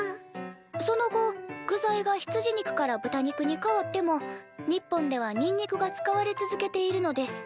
「その後具材が羊肉からぶた肉に変わっても日本ではにんにくが使われ続けているのです」